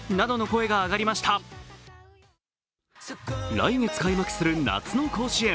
来月開幕する夏の甲子園。